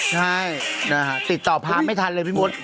ใช่ติดต่อพาไม่ทันเลยพี่โพสต์